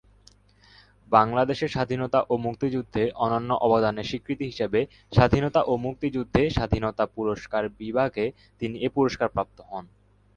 বাংলাদেশের স্বাধীনতা ও মুক্তিযুদ্ধে অনন্য অবদানের স্বীকৃতি হিসেবে স্বাধীনতা ও মুক্তিযুদ্ধে স্বাধীনতা পুরস্কার বিভাগে তিনি এ পুরস্কার প্রাপ্ত হন।